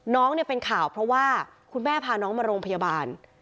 น้องเนี่ยเป็นข่าวเพราะว่าคุณแม่พาน้องมาโรงพยาบาล